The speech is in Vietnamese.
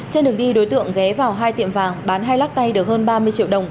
trên đường đi đối tượng ghé vào hai tiệm vàng bán hai lắc tay được hơn ba mươi triệu đồng